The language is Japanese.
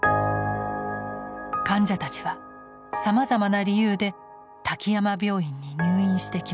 患者たちはさまざまな理由で滝山病院に入院してきました。